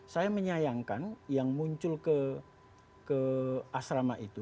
saya menyayangkan yang muncul ke asrama itu